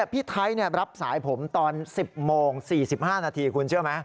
พี่ไทยรับสายผมตอน๑๐โมง๔๕นาทีคุณเชื่อไหม